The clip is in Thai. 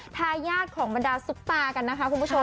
ทายาทของบรรดาซุปตากันนะคะคุณผู้ชม